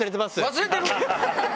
忘れてる？